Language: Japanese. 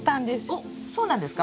おっそうなんですか？